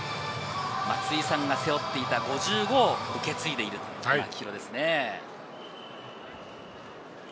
松井さんが背負っていた５５を受け継いでいるという秋広ですね。